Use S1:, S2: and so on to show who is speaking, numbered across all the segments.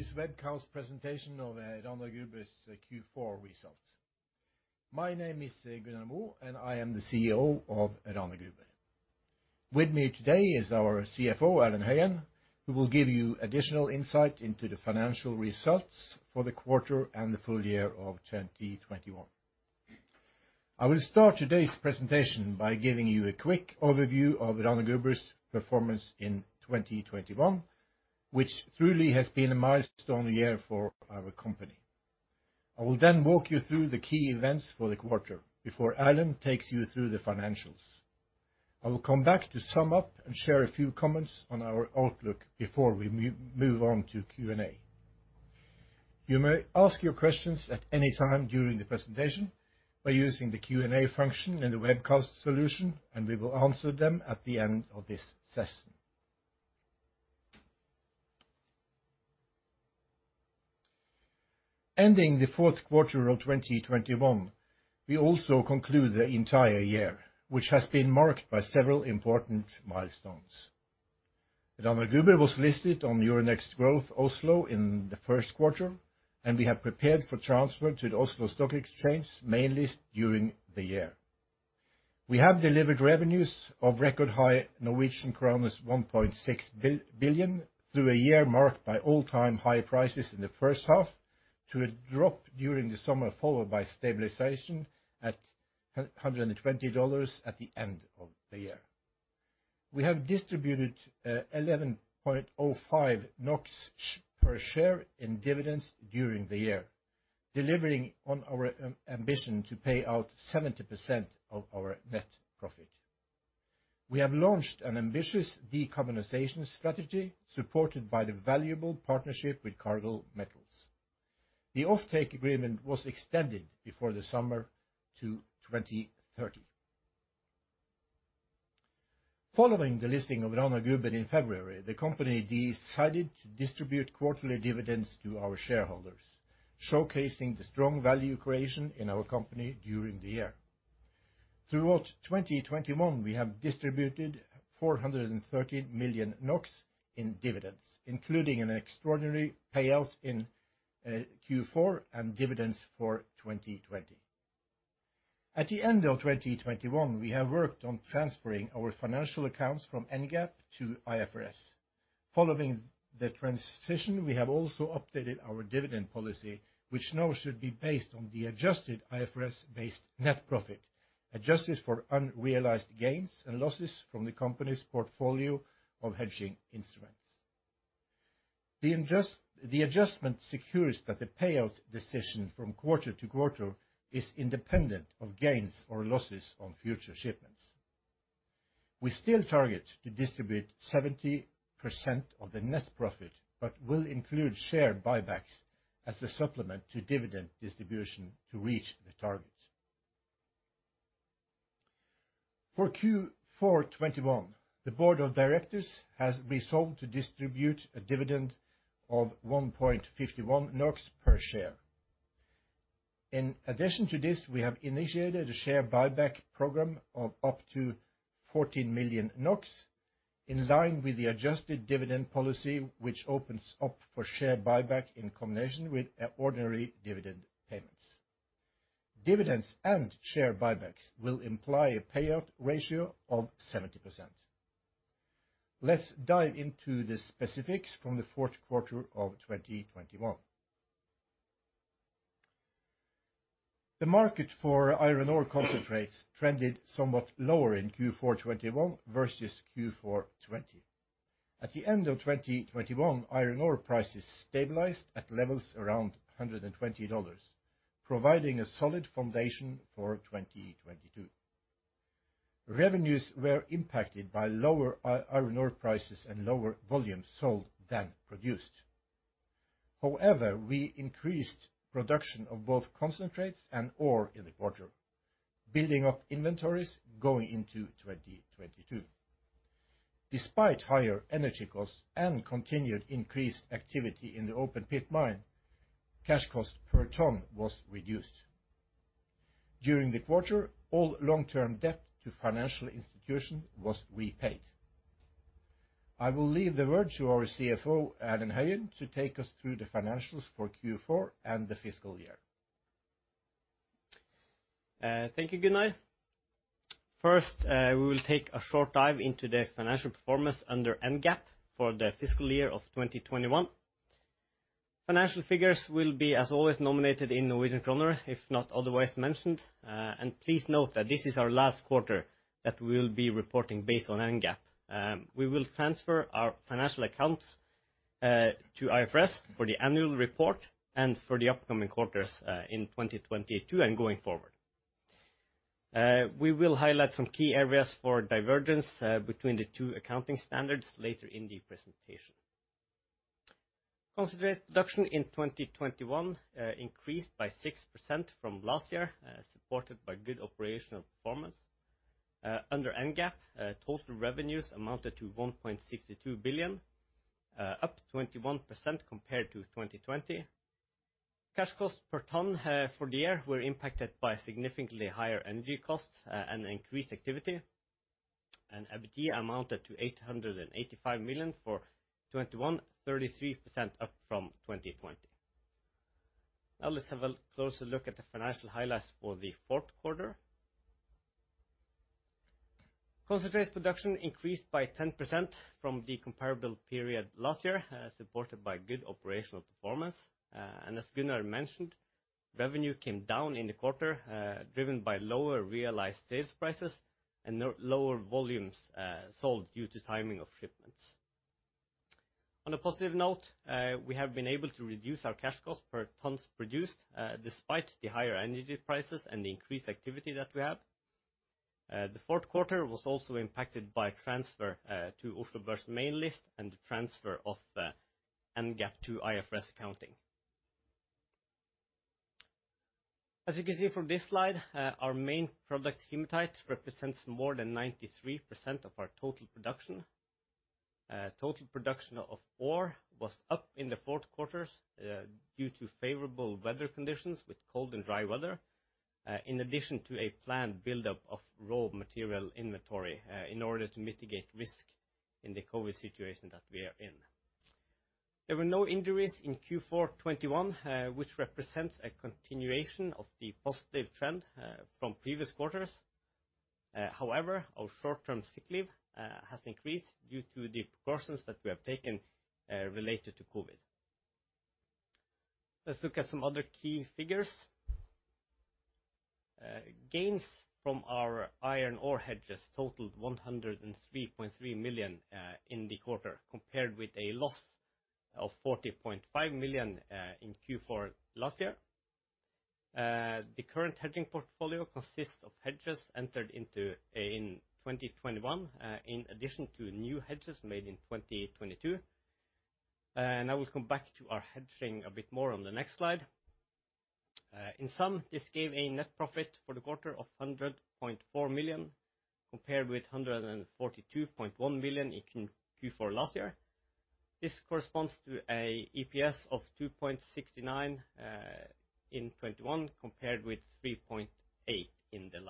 S1: It is a webcast presentation of the Rana Gruber's Q4 results. My name is Gunnar Moe, and I am the CEO of Rana Gruber. With me today is our CFO, Erlend Høyen, who will give you additional insight into the financial results for the quarter and the full year of 2021. I will start today's presentation by giving you a quick overview of Rana Gruber's performance in 2021, which truly has been a milestone year for our company. I will then walk you through the key events for the quarter before Erlend takes you through the financials. I will come back to sum up and share a few comments on our outlook before we move on to Q&A. You may ask your questions at any time during the presentation by using the Q&A function in the webcast solution, and we will answer them at the end of this session. Ending the Q4 of 2021, we also conclude the entire year, which has been marked by several important milestones. Rana Gruber was listed on Euronext Growth Oslo in the first quarter, and we have prepared for transfer to the Oslo Stock Exchange, mainly during the year. We have delivered revenues of record high Norwegian kroner 1.6 billion through a year marked by all-time high prices in the H1 to a drop during the summer, followed by stabilization at $120 at the end of the year. We have distributed 11.05 NOK per share in dividends during the year, delivering on our ambition to pay out 70% of our net profit. We have launched an ambitious decarbonization strategy supported by the valuable partnership with Cargill Metals. The offtake agreement was extended before the summer to 2030. Following the listing of Rana Gruber in February, the company decided to distribute quarterly dividends to our shareholders, showcasing the strong value creation in our company during the year. Throughout 2021, we have distributed 430 million NOK in dividends, including an extraordinary payout in Q4 and dividends for 2020. At the end of 2021, we have worked on transferring our financial accounts from NGAAP to IFRS. Following the transition, we have also updated our dividend policy, which now should be based on the adjusted IFRS-based net profit, adjusted for unrealized gains and losses from the company's portfolio of hedging instruments. The adjustment secures that the payout decision from quarter to quarter is independent of gains or losses on future shipments. We still target to distribute 70% of the net profit, but will include share buybacks as a supplement to dividend distribution to reach the target. For Q4 2021, the board of directors has resolved to distribute a dividend of 1.51 NOK per share. In addition to this, we have initiated a share buyback program of up to 14 million NOK in line with the adjusted dividend policy, which opens up for share buyback in combination with ordinary dividend payments. Dividends and share buybacks will imply a payout ratio of 70%. Let's dive into the specifics from the fourth quarter of 2021. The market for iron ore concentrates trended somewhat lower in Q4 2021 versus Q4 2020. At the end of 2021, iron ore prices stabilized at levels around $120, providing a solid foundation for 2022. Revenues were impacted by lower iron ore prices and lower volumes sold than produced. However, we increased production of both concentrates and ore in the quarter, building up inventories going into 2022. Despite higher energy costs and continued increased activity in the open pit mine, cash cost per ton was reduced. During the quarter, all long-term debt to financial institution was repaid. I will leave the word to our CFO, Erlend Høyen, to take us through the financials for Q4 and the fiscal year.
S2: Thank you, Gunnar. First, we will take a short dive into the financial performance under NGAAP for the fiscal year of 2021. Financial figures will be, as always, nominated in Norwegian kroner, if not otherwise mentioned. Please note that this is our last quarter that we'll be reporting based on NGAAP. We will transfer our financial accounts to IFRS for the annual report and for the upcoming quarters in 2022 and going forward. We will highlight some key areas for divergence between the two accounting standards later in the presentation. Concentrate production in 2021 increased by 6% from last year, supported by good operational performance. Under NGAAP, total revenues amounted to 1.62 billion, up 21% compared to 2020. Cash costs per ton for the year were impacted by significantly higher energy costs and increased activity. EBITDA amounted to 885 million for 2021, 33% up from 2020. Now let's have a closer look at the financial highlights for the fourth quarter. Concentrate production increased by 10% from the comparable period last year, supported by good operational performance. As Gunnar mentioned, revenue came down in the quarter, driven by lower realized sales prices and lower volumes sold due to timing of shipments. On a positive note, we have been able to reduce our cash costs per tons produced, despite the higher energy prices and the increased activity that we have. The fourth quarter was also impacted by transfer to Oslo Børs main list and the transfer of NGAAP to IFRS accounting. As you can see from this slide, our main product, hematite, represents more than 93% of our total production. Total production of ore was up in the fourth quarter due to favorable weather conditions with cold and dry weather, in addition to a planned buildup of raw material inventory, in order to mitigate risk in the COVID situation that we are in. There were no injuries in Q4 2021, which represents a continuation of the positive trend from previous quarters. However, our short-term sick leave has increased due to the precautions that we have taken related to COVID. Let's look at some other key figures. Gains from our iron ore hedges totaled 103.3 million in the quarter, compared with a loss of 40.5 million in Q4 last year. The current hedging portfolio consists of hedges entered into in 2021, in addition to new hedges made in 2022. I will come back to our hedging a bit more on the next slide. In sum, this gave a net profit for the quarter of 100.4 million, compared with 142.1 million in Q4 last year. This corresponds to an EPS of 2.69 in 2021 compared with 3.8 in the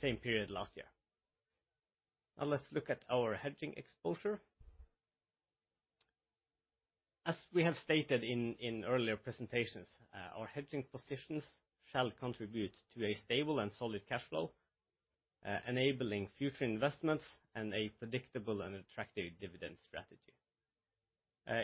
S2: same period last year. Now let's look at our hedging exposure. As we have stated in earlier presentations, our hedging positions shall contribute to a stable and solid cash flow, enabling future investments and a predictable and attractive dividend strategy.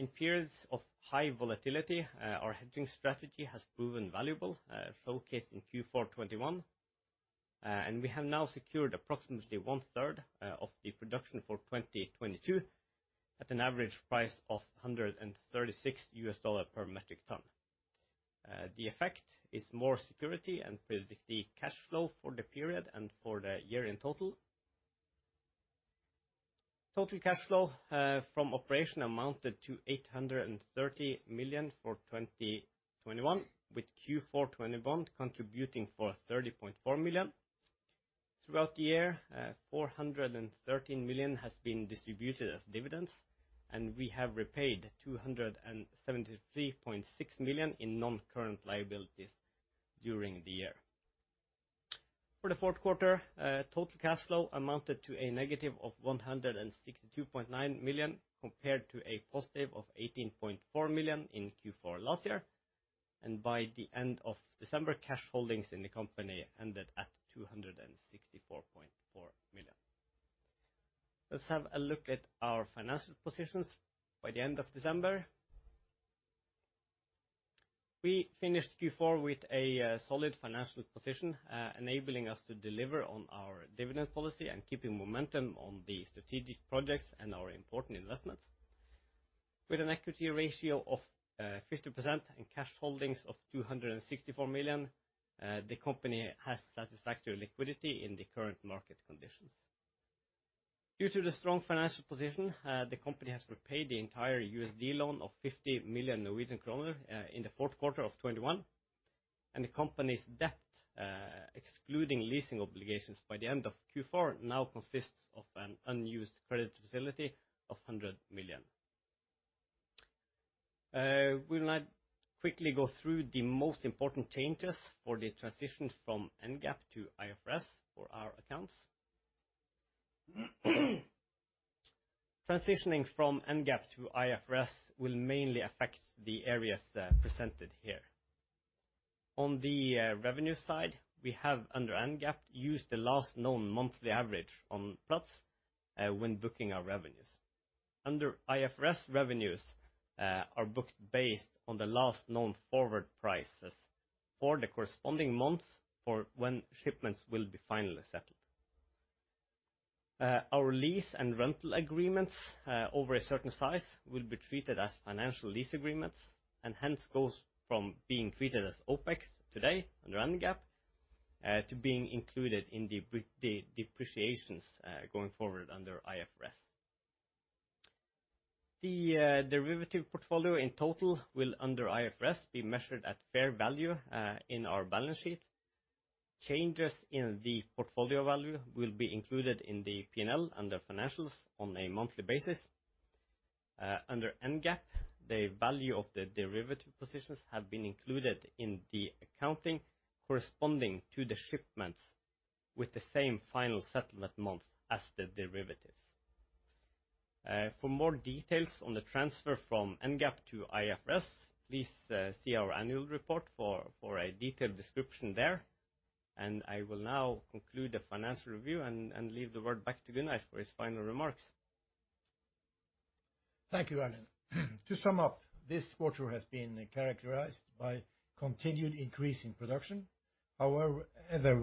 S2: In periods of high volatility, our hedging strategy has proven valuable, showcased in Q4 2021. We have now secured approximately one-third of the production for 2022 at an average price of $136 US dollar per metric ton. The effect is more security and predictable cash flow for the period and for the year in total. Total cash flow from operations amounted to 830 million for 2021, with Q4 2021 contributing 30.4 million. Throughout the year, 413 million has been distributed as dividends, and we have repaid 273.6 million in non-current liabilities during the year. For the Q4, total cash flow amounted to a negative of 162.9 million compared to a positive of 18.4 million in Q4 last year. By the end of December, cash holdings in the company ended at 264.4 million. Let's have a look at our financial positions by the end of December. We finished Q4 with a solid financial position, enabling us to deliver on our dividend policy and keeping momentum on the strategic projects and our important investments. With an equity ratio of 50% and cash holdings of 264 million, the company has satisfactory liquidity in the current market conditions. Due to the strong financial position, the company has repaid the entire USD loan of 50 million Norwegian kroner in the fourth quarter of 2021. The company's debt, excluding leasing obligations by the end of Q4 now consists of an unused credit facility of 100 million. We will now quickly go through the most important changes for the transition from NGAAP to IFRS for our accounts. Transitioning from NGAAP to IFRS will mainly affect the areas presented here. On the revenue side, we have under NGAAP used the last known monthly average on Platts when booking our revenues. Under IFRS, revenues are booked based on the last known forward prices for the corresponding months for when shipments will be finally settled. Our lease and rental agreements over a certain size will be treated as financial lease agreements and hence goes from being treated as OPEX today under NGAAP to being included in the depreciations going forward under IFRS. The derivative portfolio in total will under IFRS be measured at fair value in our balance sheet. Changes in the portfolio value will be included in the P&L under financials on a monthly basis. Under NGAAP, the value of the derivative positions have been included in the accounting corresponding to the shipments with the same final settlement month as the derivative. For more details on the transfer from NGAAP to IFRS, please see our annual report for a detailed description there. I will now conclude the financial review and leave the word back to Gunnar for his final remarks.
S1: Thank you, Erlend Høyen. To sum up, this quarter has been characterized by continued increase in production. However,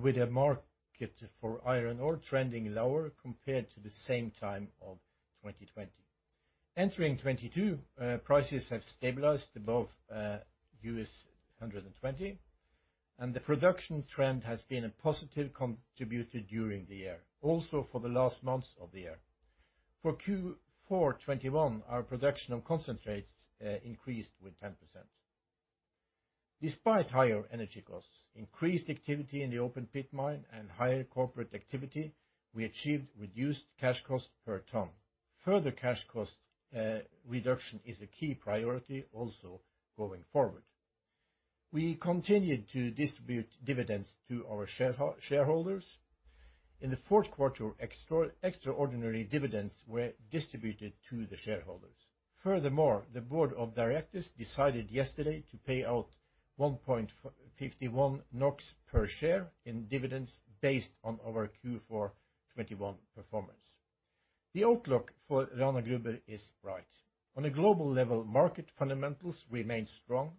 S1: with the market for iron ore trending lower compared to the same time of 2020. Entering 2022, prices have stabilized above $120, and the production trend has been a positive contributor during the year, also for the last months of the year. For Q4 2021, our production of concentrates increased with 10%. Despite higher energy costs, increased activity in the open pit mine and higher corporate activity, we achieved reduced cash costs per ton. Further cash cost reduction is a key priority also going forward. We continued to distribute dividends to our shareholders. In the fourth quarter, extraordinary dividends were distributed to the shareholders. Furthermore, the board of directors decided yesterday to pay out 1.51 NOK per share in dividends based on our Q4 2021 performance. The outlook for Rana Gruber is bright. On a global level, market fundamentals remain strong.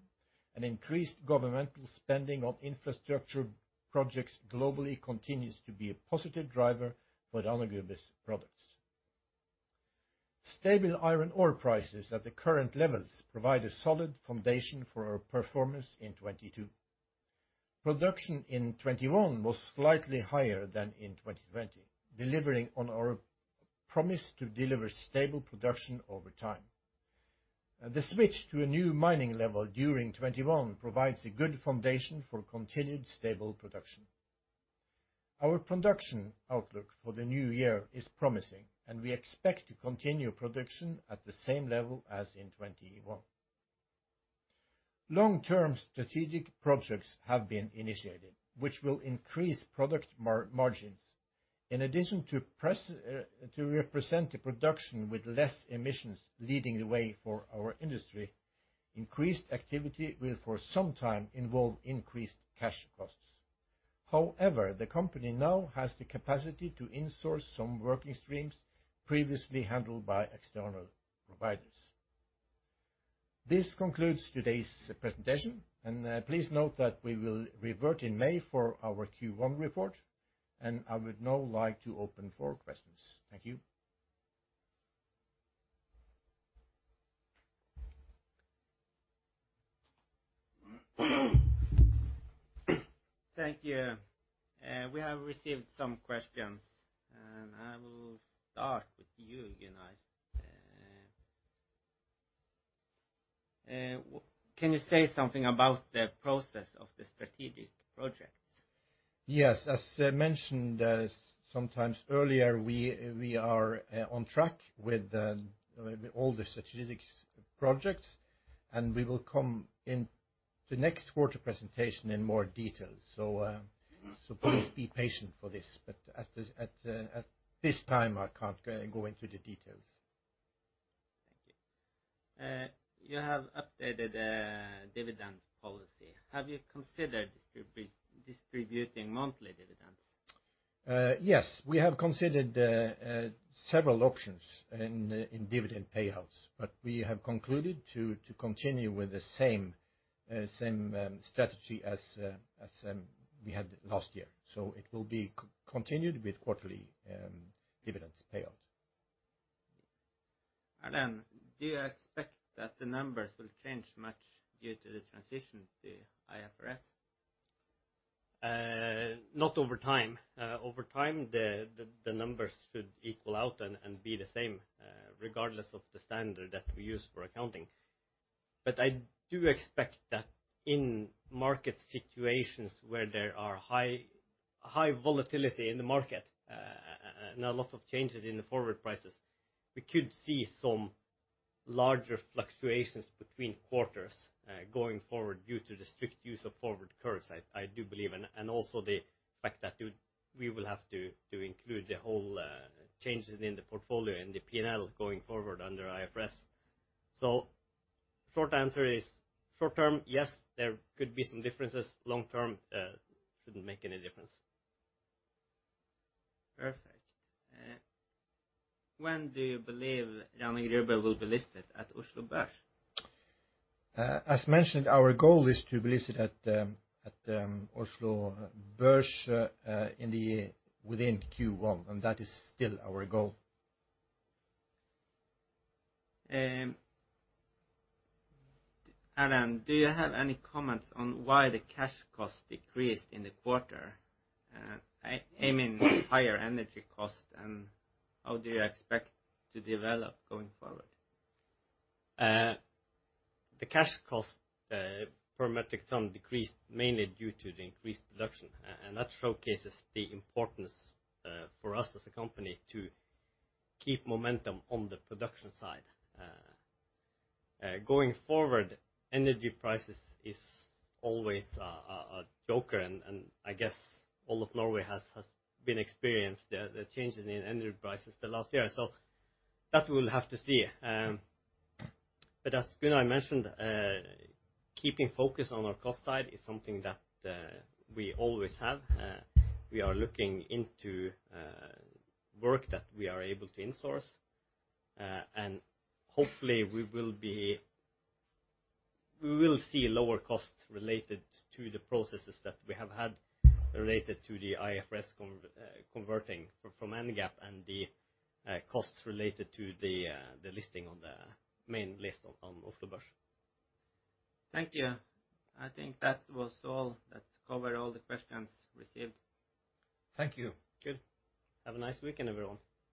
S1: An increased governmental spending on infrastructure projects globally continues to be a positive driver for Rana Gruber's products. Stable iron ore prices at the current levels provide a solid foundation for our performance in 2022. Production in 2021 was slightly higher than in 2020, delivering on our promise to deliver stable production over time. The switch to a new mining level during 2021 provides a good foundation for continued stable production. Our production outlook for the new year is promising, and we expect to continue production at the same level as in 2021. Long-term strategic projects have been initiated, which will increase product margins. In addition, to represent the production with less emissions leading the way for our industry, increased activity will for some time involve increased cash costs. However, the company now has the capacity to in-source some working streams previously handled by external providers. This concludes today's presentation, and please note that we will revert in May for our Q1 report, and I would now like to open for questions. Thank you.
S3: Thank you. We have received some questions, and I will start with you, Gunnar. Can you say something about the process of the strategic projects?
S1: Yes. As mentioned sometimes earlier, we are on track with all the strategic projects, and we will come in the next quarter presentation in more details. Please be patient for this. At this time, I can't go into the details.
S3: Thank you. You have updated dividend policy. Have you considered distributing monthly dividends?
S1: Yes. We have considered several options in dividend payouts, but we have concluded to continue with the same strategy as we had last year. It will be continued with quarterly dividends payout.
S3: Erlend, do you expect that the numbers will change much due to the transition to IFRS?
S2: Not over time. Over time, the numbers should equal out and be the same, regardless of the standard that we use for accounting. I do expect that in market situations where there are high volatility in the market, and a lot of changes in the forward prices, we could see some larger fluctuations between quarters, going forward due to the strict use of forward curves. I do believe, and also the fact that we will have to include the whole changes in the portfolio and the P&L going forward under IFRS. Short answer is short-term, yes, there could be some differences. Long-term, shouldn't make any difference.
S3: Perfect. When do you believe Rana Gruber will be listed at Oslo Børs?
S1: As mentioned, our goal is to be listed at Oslo Børs within Q1, and that is still our goal.
S3: Erlend, do you have any comments on why the cash costs decreased in the quarter? I mean higher energy costs, and how do you expect to develop going forward?
S2: The cash costs per metric ton decreased mainly due to the increased production. That showcases the importance for us as a company to keep momentum on the production side. Going forward, energy prices is always a joker, and I guess all of Norway has been experiencing the changes in energy prices the last year. That we'll have to see. As Gunnar mentioned, keeping focus on our cost side is something that we always have. We are looking into work that we are able to in-source. Hopefully we will see lower costs related to the processes that we have had related to the IFRS converting from NGAAP and the costs related to the listing on the main list on Oslo Børs.
S3: Thank you. I think that was all. That cover all the questions received.
S1: Thank you.
S2: Good. Have a nice weekend, everyone.